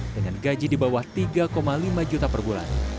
dengan gaji di bawah tiga lima juta per bulan